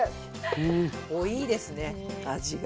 濃いですね、味が。